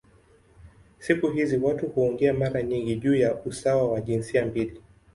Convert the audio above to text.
Siku hizi watu huongea mara nyingi juu ya usawa wa jinsia mbili.